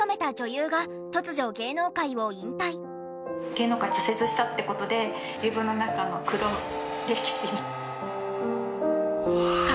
芸能界を挫折したって事で自分の中の黒歴史。